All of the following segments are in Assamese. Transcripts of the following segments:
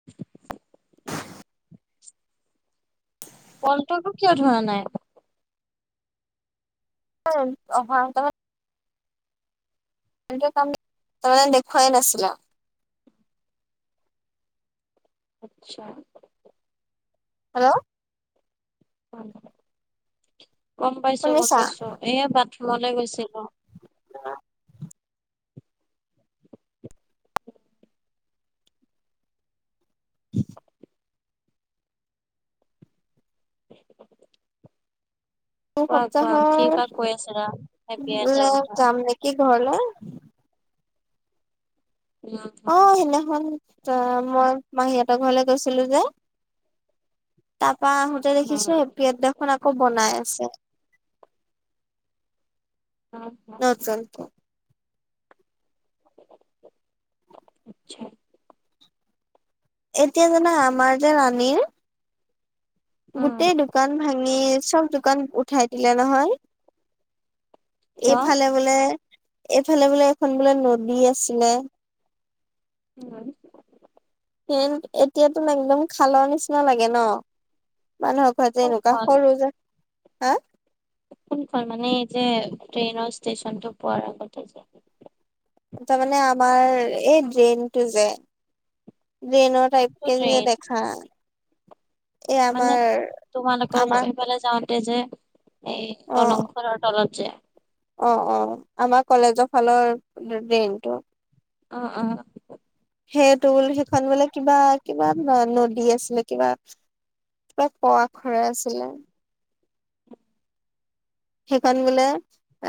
[inaudible] কলটো আক কিয় ধৰা নাই? [unintelligible] অহা সপ্তাহত ভালকে কাম তাৰমানে দেখুৱাই নাছিলা। আচ্ছা। হেল্ল' উম গম পাইছো গম শুনিছা? পাইছো, এই বাথৰুমলৈ গৈছিলো। [unintelligible] [inaudible] দু কোৱা কোৱা কি সপ্তাহৰ বা কৈ আছিলা ভাবি এটা লে কথা যাম নেকি ঘৰলে। [unintelligible] অ সেইদিনাখন অ মই মাহীহঁতৰ ঘৰলে গৈছিলো যে। তা পা আহোঁতে উম, দেখিছো, এপিয়ট দেখোন আকৌ বনাই আছে। অ হু নতুনকে। ছা এতিয়া জানা আমাৰ যে ৰাণীৰ উম গোটেই দোকান ভাঙি চব দোকান উঠাই দিলে নহয়। কিয়? এইফালে বোলে, এইফালে বোলে এখন বোলে নদী আছিলে। কোনে? সেন এতিয়াতো একদম খালৰ নিচিনা লাগে ন, মানুহক হোৱা যে এনেকুৱা কোনখন সৰু যে, হা? কোনখন মানে এই যে ট্ৰেইনৰ ষ্টেচনটো পোৱাৰ আগতে যে। তামানে আমাৰ এই ড্ৰেইনটো যে, ড্ৰেইনত কোনটো পাইপ কে ট্ৰেইন? জে দেখা এই মানে আমাৰ তোমালোকৰ আমাৰ এইফালে যাওঁত- তে যে এই অ দলং খনৰ তলত যে অ অ আমাৰ কলেজৰ ফালৰ ড্ৰেনটো। অ অ। সেইটো সেইখন বোলে কিবা কিবা নদী আছিলে কিবা কিবা প আখৰে আছিলে, সেইখন বোলে,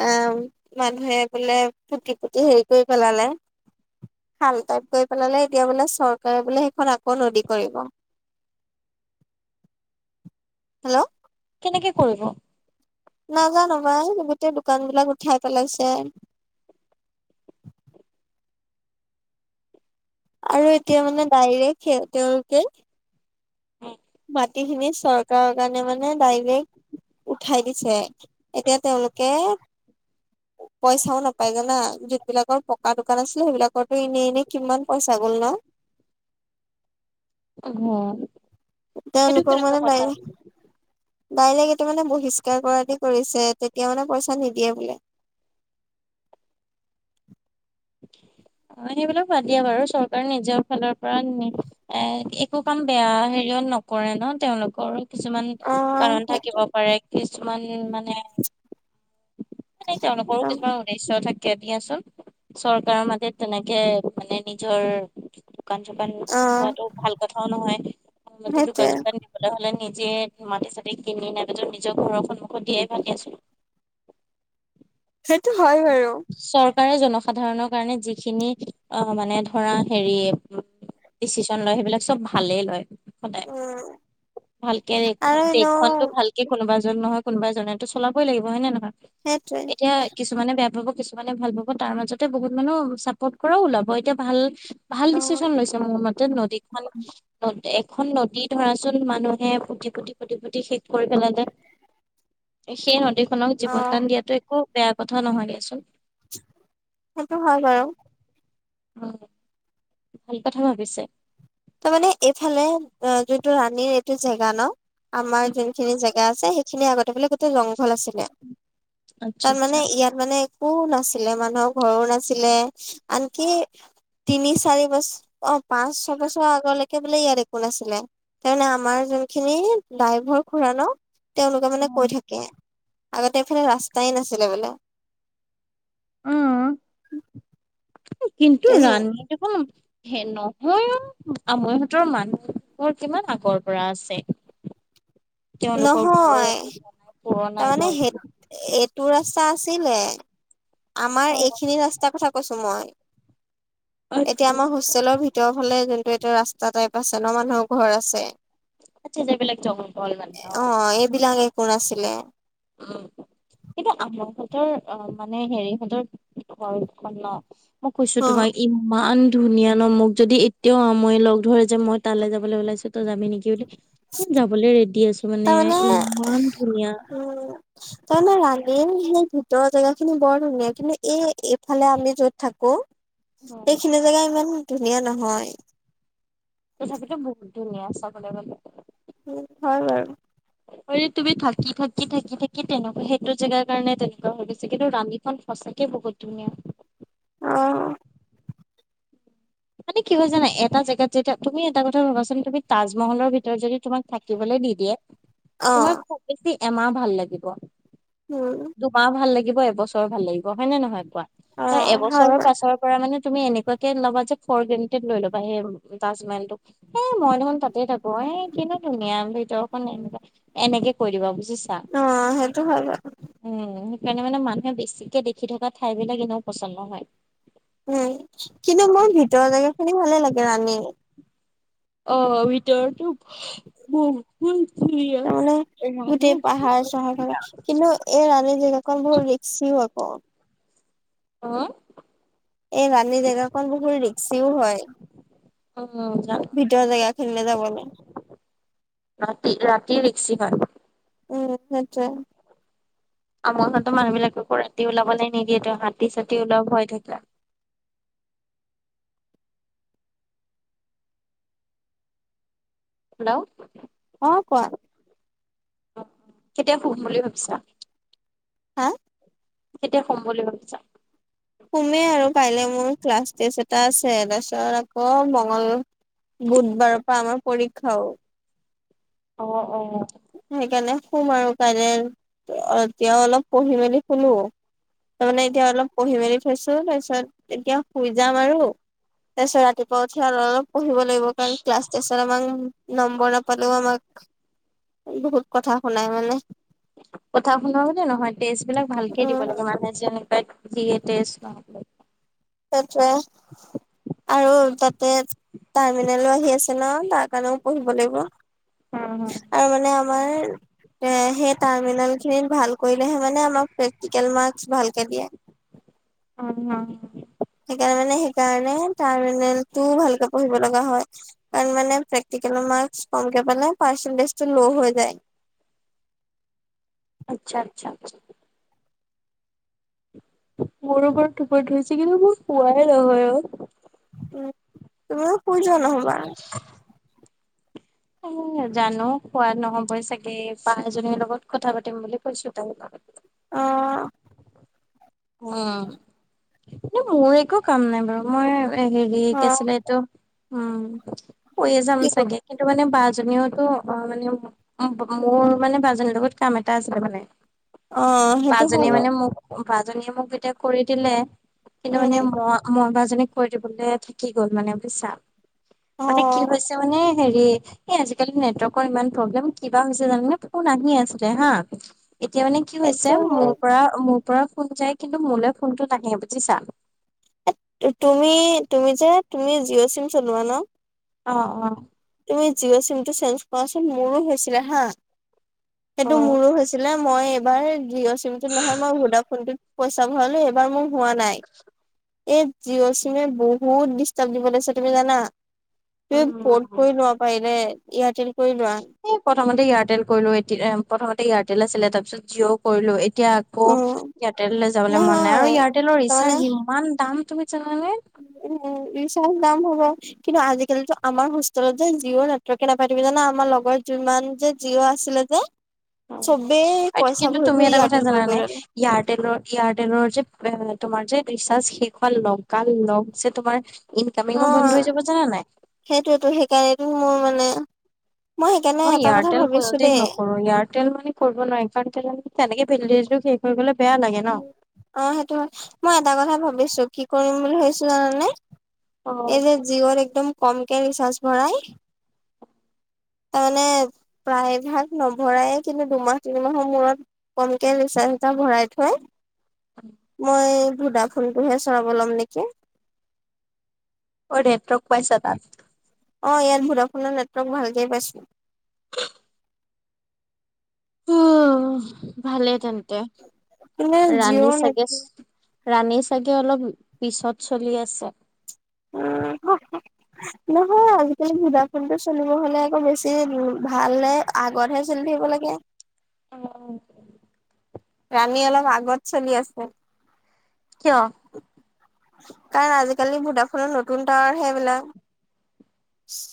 অ' মানুহে বোলে পুতি পুতি হেৰি কৰি পেলালে, খাল টাইপ কৰি পেলালে, এতিয়া বোলে চৰকাৰে বোলে সেইখন আকৌ নদী কৰিব। [inaudible] হেল্ল' কেনেকে কৰিব, নাজানো পাই গোটেই দোকান বিলাক উঠাই পেলাইছে। আৰু এতিয়া মানে ডাইৰেক্ট তেওঁলোকে অ [unintelligible] মাটি খিনি চৰকাৰৰ কাৰণে মানে ডাইৰেক্ট উঠাই দিছে এতিয়া তেওঁলোকে [inaudible] পইচাও নাপাই জানা, যোন বিলাকৰ পকা দোকান আছিলে সেইবিলাকতো এনেই এনেই কিমান পইচা গ'ল ন। [unintelligible] এইটো তেওঁলোকৰ কেনেকুৱা মানে কথা? নাই, ডাইৰেক্ট এইটো মানে বহিষ্কাৰ কৰা দি কৰিছে, তেতিয়া মানে পইচা নিদিয়ে বোলে। অ' সেইবিলাক বাদ দিয়া বাৰু চৰকাৰে নিজৰ ফালৰ পৰা এ একো কাম বেয়া হেৰিয়ত নকৰে ন, তেওঁলোকৰো কিছুমান অ কাৰণ সেইটো থাকিব পাৰে। কিছুমান মানে, মানে তেওঁলোকৰো কিছুমান উদ্দেশ্য থাকে দিয়াচোন। চৰকাৰৰ মাটিত তেনেকে মানে নিজৰ, দোকান চোকান অ থোৱাটো ভাল কথাও নহয় সেইটোৱে দোকান চোকান দিবলে হলে নিজে মাটি চাতি কিনি নাইবা যো নিজৰ ঘৰৰ সন্মুখত দিয়াই ভাল দিয়াচোন। সেইটো হয় বাৰু। চৰকাৰে জনসাধাৰণৰ কাৰণে যিখিনি অ, মানে ধৰা হেৰি ডিচিছন লয় সেইবিলাক চব ভালেই লয়। সদায় উম ভালকে আৰু এনেও দেশখনটো ভাল কে কোনোবা এজন নহয় কোনোবাই এজনেতো চলাবই লাগিব হয় না নহয়। সেইটোৱে। এতিয়া কিছুমানে বেয়া পাব কিছুমানে ভাল পাব তাৰ মাজতে বহুত মানুহ চাপৰ্ট কৰাও ওলাব এতিয়া ভাল ভাল অ ডিচিচন লৈছে মোৰ মতে নদীখন নদ এক এখন নদী ধৰাচোন মানুহে পুটি - পুটি - পুটি - পুটি শেষ কৰি পেলালে। সেই নদীখনক অ জীৱনদান দিয়াটো একো বেয়া কথা নহয় দিয়াচোন। সেইটো হয় বাৰু। অ, ভাল কথা ভাবিছে। তাৰ মানে এইফালে অ, যোনটো ৰাণীৰ এইটো জেগা ন আমাৰ যোনখিনি জেগ জেগা যে সেইখিনি আগতে বোলে গোটেই জংঘল আছিলে আচ্ছা তাৰ আচ্ছা মানে ইয়াত মানে একো নাছিলে মানুহৰ ঘৰো নাছিলে আনকি তিনি চাৰি বছ অ, পাচ ছয় বছ [unintelligible] ছৰ আগলৈকে বোলে ইয়াত একো নাছিলে তাৰমানে আমাৰ যোনখিনি ডাইভৰ খুৰা ন। তেওঁলোকে অ মানে কৈ থাকে আগতে এইফালে ৰাস্তাই নাছিলে বোলে। কিন্তু তাৰপিছত ৰাণী দেখোন হে নহয়ো আমৈ হতৰ মানুহৰ এঘৰ কিমান আগৰ পৰা আছে। তেওঁলোকৰ ঘৰৰ নহয় একে বনাই পুৰণাই তাৰমানে হয়। সেই এইটো ৰাস্তা আছিলে আমাৰ এইখিনি ৰাস্তাৰ কথা কৈছো মই এতিয়া আমাৰ হোষ্টেলৰ ভিতৰৰ ফালে যোনটো এতিয়া ৰাস্তা টাইপ আছে ন মানুহৰ ঘৰ আছে। আচ্ছা যোনবিলাক জংঘল মানে অ, এইবিলাক একো নাছিলে। অ'। কিন্তু আমাৰহঁতৰ অ' মানে হেৰিহঁতৰ ঘৰখন ন। মই কৈছো অ তোমাৰ ইমান ধুনীয়া ন মোক যদি এতিয়াও মই লগ ধৰে যে মই তালৈ যাবলৈ ওলাইছো তই যাবি নেকি বুলি যাবলৈ ৰেডি আছো মানে তাৰমানে ইমান ধুনীয়া। উম তাৰমানে ৰাণী সেই ভিতৰৰ জেগা খিনি বৰ ধুনীয়া কিন্তু এই এইফালে আমি যত থাকো। এইখিনি জেগা ইমান ধুনীয়া নহয়। তথাপিতো বহুত ধুনীয়া চাবলৈ গ'লে। হয় বাৰু। অৰি তুমি থাকি থাকি থাকি থাকি তেনেকুৱা সেইটো জেগাৰ কাৰণে তেনেকুৱা হৈ গৈছে কিন্তু ৰাণীখন সঁচাকে বহুত ধুনীয়া। অ। মানে কি হয় জানা এটা জেগাত যেতিয়া তুমি এটা কথা ভাবাচোন তুমি তাজমহলৰ ভিতৰত যদি তোমাক থাকিবলৈ দিদিয়ে অ তোমাৰ খুব বেছি এমাহ ভাল লাগিব। উম। দুমাহ ভাল লাগিব। এবছৰ ভাল লাগিব হয় নে নহয় কোৱা অ তাৰ হয় এবছৰৰ বাৰু পাছৰ মানে তুমি এনেকুৱাকে ল'বা যে ফৰ গ্ৰেনটেত লৈ ল'বা সেই তাজমেহেল টো এ মই দেখোন তাতে থাকো এ কিনো ধুনীয়া ভিতৰখন [unintelligible] এনেকে কৈ দিবা বুজিছা। অ, সেইটো হয় বাৰু। উম, সেইকাৰণে মানে মানুহে বেছিকে দেখি থকা ঠাই বিলাক এনেও পচন্দ নহয়। উম, কিন্তু মোৰ ভিতৰৰ জেগা খিনি ভালে লাগে ৰাণী অ ভিতৰতো [unintelligible] কোনখিনি? তাৰ মানে গোটেই পাহাৰ - চাহাৰ থাকে কিন্তু এই ৰাণী জেগা কন বহুত ৰিকচি হয় ক? [unintelligible] এই ৰাণী জেগাখন বহুত ৰিক্সিও হয়। অ। ভিতৰ জেগাখিনিলে যাবলে। ৰাতি ৰাতি ৰিক্সি হয়। উম, সেইটোৱে। আমাৰতো মানুহবিলাকেকো ৰাতি ওলাবলৈ নিদিয়েতো হাতী - চাতি ওলোৱাৰ ভয় থাকে। হেল্ল'। অ, কোৱা? কেতিয়া শুম বুলি ভাবিছা? হা। কেতিয়া শুম বুলি ভাবিছা? শুমেই আৰু কাইলৈ মোৰ ক্লাছ টেষ্ট এটা আছে তাৰপিছত আকৌ মঙল বুধবাৰৰ পৰা আমাৰ পৰীক্ষাও। অ, অ। সেইকাৰণে শুম আৰু কাইলৈ, এতিয়াও অলপ পঢ়ি মেলি শুলো। তাৰ মানে এতিয়া অলপ পঢ়ি মেলি থৈছো তাৰপিছত তেতিয়া শুই যাম আৰু তাৰপিছত ৰাতিপুৱা উঠি অলপ অলপ পঢ়িব লাগিব কাৰণ ক্লাছ টেচৰ আমাক নম্বৰ নাপালেও আমাক বহুত কথা শুনাই মানে। কথা শুনোতে নহয় টেষ্টবিলাক ভালকে দিব উম লাগে মানে। যেনেকাই ফ্রীয়ে টেষ্ট নহয়। সেই টোৱে। আৰু তাতে টাৰ্মিনেলো আহি আছে ন তাৰ কাৰণেও পঢ়িব লাগিব। হু হু। আৰু মানে আমাৰ এ সেই টাৰ্মিনেলখিনিত ভাল কৰিলেহে মানে আমাক প্ৰেক্টিকেল মাৰ্কচ ভালকে দিয়ে। উ হম সেইকাৰণে মানে সেইকাৰণে টাৰ্মিনেলটোও ভালকে পঢ়িব লগা হয়। কাৰণ মানে প্ৰেক্টিকেল মাৰ্কচ কমকে পালে পাৰ্চেন্টেজটো ল' হৈ যায়। আচ্ছা আচ্ছা আচ্ছা। মোৰো বৰ টোপনি ধৰিছে কিন্তু মোৰ শুৱাই নহয় অ। উম তুমিও শুই যোৱা নহবা? [unintelligible] উ জানো শুৱা নহবই চাগে বা এজনীৰ লগত কথা পাতিম বুলি কৈছো তাৰ লগত অ উ এ মোৰ একো কাম নাই বাৰু মই মানে হেৰি কি অ', আছিলে এইটো উম শুৱে যাম কি ক চাগে? কিন্তু মানে বাজনীওতো অ মানে মোৰ মানে বাজনীৰ লগত কাম এটা আছিলে মানে। অ', সেইটো হয় বাজনীয়ে বাৰু মানে মোক বাজনীয়ে মোক যেতিয়া কৰি দিলে কিন্তু মানে উম, মই মই বাজনীক কৰি দিবলে থাকি গ'ল মানে বুজিছা মানে কি অ', হৈছে মানে হেৰি এই আজিকালি নেটৱৰ্কৰ ইমান প্ৰব্লেম কিবা হৈছে জানেনে ফোন আহিয়ে আছিলে হা এতিয়া মানে কি হৈছে সেইটো মোৰ হয়। পৰা মোৰ পৰা ফোন যায় কিন্তু মোলৈ ফোনটো নাহে বুজিছা এ তুমি তুমি যে তুমি জিঅ' চিম চলোৱা ন। অ অ তুমি জিঅ' চিমটো চেঞ্জ কৰাচোন মোৰো হৈছিলে হা সেইটো উম মোৰো হৈছিলে। মই এইবাৰ জিঅ' চিমতটোত নহয় মই ভদা ফোনটোত পইচা ভৰালো এইবাৰ মোক হোৱা নাই এই জিঅ' চিমে বহুত ডিষ্টাৰ্ব দিব লৈছে তুমি জানা তুমি ফৰ্ট কৰি লোৱা পাৰিলে এয়াৰটেল কৰি লোৱা। এই প্ৰথমতে এয়াৰটেল কৰিলো এতিয়া প্ৰথমতে এয়াৰটেল আছিলে তাৰ পিছত জিঅ' কৰিলো। এতিয়া আকৌ উম এয়াৰটেললৈ যাবলৈ মন নাই আৰু নহয় এয়াৰটেলৰ ৰিচাৰ্জ ইমান দাম তুমি জানানে। উ উ ৰিচাৰ্জ দাম হ'ব কিন্তু আজিকালি যে আমাৰ হোষ্টেলত যে জিঅ' নেটৱৰ্কে নাপাই তুমি জানা আমাৰ লগৰ যিমান যে জিঅ' আছিলে যে চবে আৰু পইচা কিন্তু ভৰি তুমি ভৰি এটা কথা এয়াৰটেল কৰি জানানে কৰি ললে। এয়াৰটেলৰ এয়াৰটেলৰ যে এ তোমাৰ যে ৰিচাৰ্জ শেষ হোৱা লগা লগ যে তোমাৰ ইনকামিঙো বন্ধ হৈ যাব জানা নাই সেইটোৱেতো সেইকাৰণেটো মোৰ মানে- সেইকাৰণে মই এটা কথা এয়াৰটেল ভাবিছো কোনোদিন দেই নকৰো এয়াৰটেল মানে কৰিব নোৱাৰি কাৰণ কেলে তেনেকে বেলেচ শেষ হৈ গলে বেয়া লাগে ন। অ সেইটো হয়। মই এটা কথা ভাবিছো কি কৰিম বুলি ভাবিছো জানানে- অ এই যে জিঅ'ৰ একদম কমকে ৰিচাৰ্জ ভৰাই তাৰমানে প্ৰায় ভাগ নভৰায়ে কিন্তু দুমাহ তিনিমাহৰ মূৰত কমকে ৰিচাৰ্জ এটা ভৰাই থয় মই ভুদাফোনটোহে চলাব ল'ম নেকি? অ নেটৱৰ্ক পাইছা তাত অ ইয়াত ভুডাফোনৰ নেটৱৰ্ক ভালকে পাইছো উহ উ ভালেই তেন্তে কিন্তু ৰাণী জিঅ'ৰ চাগে নেটৱৰ্ক ৰাণী চাগে অলপ পিছত চলি আছে। উম হ হ নহয় আজিকালি ভদাফোনটো চলিব হলে আকৌ বেছি ভালহে আগতহে চলি থাকিব লাগে। উম ৰাণী অলপ আগত চলি আছে। কিয়? কাৰণ আজিকালি ভুডাফনৰ তাৱাৰ হে সেবিলাক।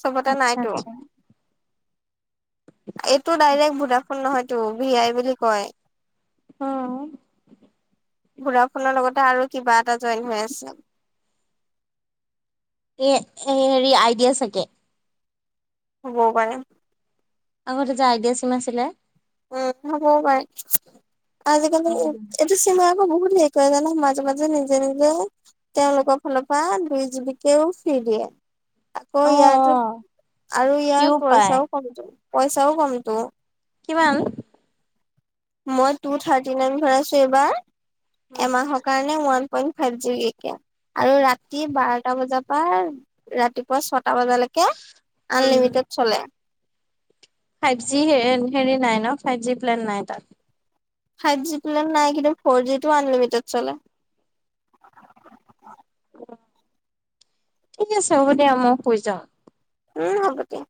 চবতে আচ্ছা নাইতো, আচ্ছা এইটো ডাইৰেক্ট ভুদাফোন নহয়। টো ভি আই বুলি কয়। অ। ভুদাফনৰ লগতে আৰু কিবা এটা জইন হৈ আছে। এ হেৰি আইডিয়া চাগে। হ'বও পাৰে। আগতে যে আইডিয়া চিম আছিলে। উম হব পাৰে আজিকালি উম। এ- টো চিম আকৌ বহুত হেৰি কৰে জানা মাজে মাজে নিজে নিজে তেওঁলোকৰ ফালৰ পৰা দুই জীৱিকেও ফ্ৰী দিয়ে। আকৌ অ', ইয়াতো অ', আৰু সিও ইয়াৰ পায় পইচাও কমটো, পইচাও কমটো। কিমান? মই টু থাৰ্টি নাইন ভৰাইছো এইবাৰ উম। এমাহৰ কাৰণে ওৱান পইণ্ট ফাই জিবিকে আৰু ৰাতি বাৰটা বজাৰ পা ৰাতিপুৱা ছটা বজালৈকে উম, আনলিমিটেড চলে ফাইভ জি হেৰি নাই ন ফাইভ জি প্লেন নাই তাত। ফাইভ জি প্লেন নাই কিন্তু ফ'ৰ জি টো অ অনলিমিটেড চলে। ঠিক আছে হ'ব দিয়া মই শুই যাওঁ। উম হ'ব দিয়া হয়।